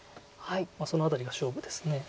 その辺りが勝負です。